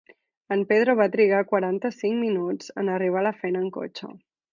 En Pedro va trigar quaranta cinc minuts en arribar a la feina en cotxe.